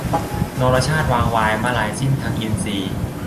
นรชาติวางวาย มลายสิ้นทั้งอินทรีย์